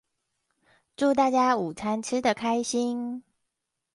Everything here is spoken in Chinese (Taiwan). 祝大家午餐吃的開心